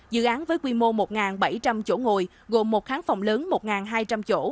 dự án với quy mô một bảy trăm linh chỗ ngồi gồm một kháng phòng lớn một hai trăm linh chỗ